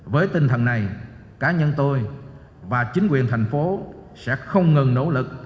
với tinh thần này cá nhân tôi và chính quyền thành phố sẽ không ngừng nỗ lực